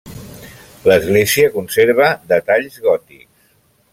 L'església conserva detalls gòtics.